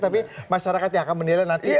tapi masyarakatnya akan menilai nanti